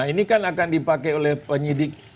ini kan akan dipakai oleh penyidik